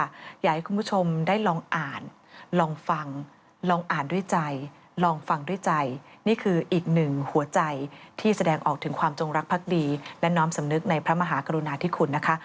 อยากให้คุณผู้ชมได้ลองอ่านลองฟังลองอ่านด้วยใจลองฟังด้วยใจนี่คืออีกหนึ่งหัวใจที่แสดงออกถึงความจงรักภักดีและน้อมสำนึกในพระมหากรุณาธิคุณนะคะ